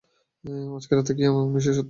আজকের রাতের কী এমন বিশেষত্ব?